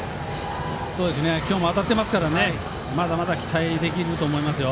今日も当たってますからまだまだ期待できると思いますよ。